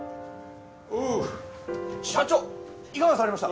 おう社長いかがされました？